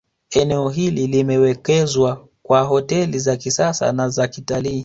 Eneo hili limewekezwa kwa hoteli za kisasa na zakitalii